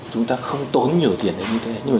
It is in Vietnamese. chúng ta không tốn nhiều tiền như thế